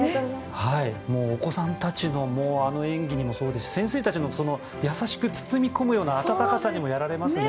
もうお子さんたちのあの演技にもそうですし先生たちの優しく包み込むような温かさにもやられますね。